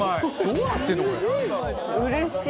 うれしい！